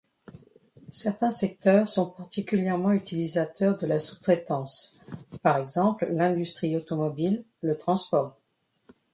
Certains secteurs sont particulièrement utilisateurs de la sous-traitance, par exemple l'industrie automobile, le transport.